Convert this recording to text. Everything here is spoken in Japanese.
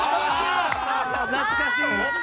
懐かしい。